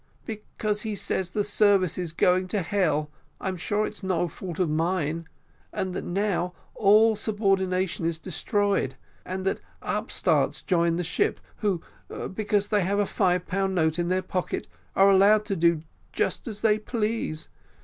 "Because he says the service is going to hell (I'm sure it's no fault of mine) and that now all subordination is destroyed, and that upstarts join the ship who, because they have a five pound note in their pocket, are allowed to do just as they please.